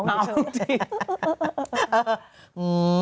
เหม่าจริง